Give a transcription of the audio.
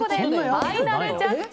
ファイナルジャッジ。